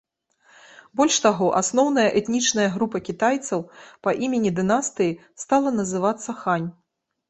Больш таго, асноўная этнічная група кітайцаў па імені дынастыі стала называцца хань.